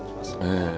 ええ。